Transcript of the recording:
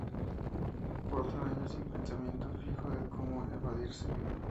Cuatro años y el pensamiento fijo de cómo evadirse.